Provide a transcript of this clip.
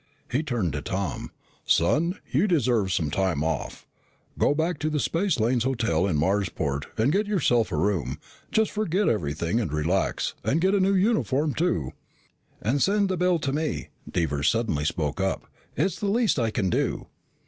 He turned to Tom. "Son, you deserve some time off. Go back to the Spacelanes Hotel in Marsport and get yourself a room. Just forget everything and relax. And get a new uniform, too." "And send the bill to me," Devers suddenly spoke up. "It's the least I can do."